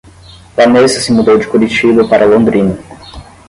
Vanessa se mudou de Curitiba para Londrina.